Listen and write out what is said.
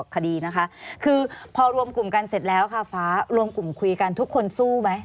คดีนะคะคือพอรวมกลุ่มกันเสร็จแล้วค่ะฟ้ารวมกลุ่มคุยกันทุกคนสู้ไหม